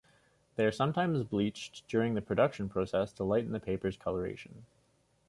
They are sometimes bleached during the production process to lighten the paper's coloration.